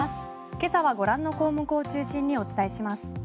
今朝はご覧の項目を中心にお伝えします。